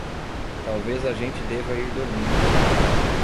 Talvez a gente deva ir dormir